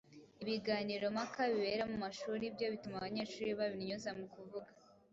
Ibiganiro mpaka bibera mu mashuri byo bituma abanyeshuri baba intyoza mu kuvuga,